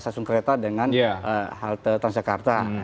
stasiun kereta dengan halte transjakarta